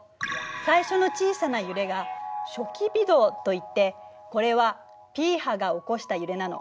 最初の小さな揺れが「初期微動」といってこれはＰ波が起こした揺れなの。